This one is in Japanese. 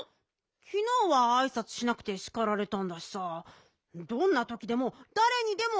きのうはあいさつしなくてしかられたんだしさどんなときでもだれにでもあいさつしなくちゃ。